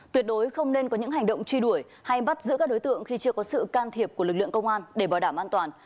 tuyệt đối không nên có những hành động truy đuổi hay bắt giữ các đối tượng khi chưa có sự can thiệp của lực lượng công an để bảo đảm an toàn